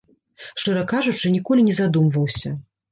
Шчыра кажучы, ніколі не задумваўся.